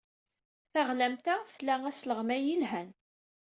Taɣlamt-a tla asleɣmay yelhan.